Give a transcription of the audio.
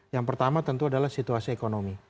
yang pertama tentu adalah situasi ekonomi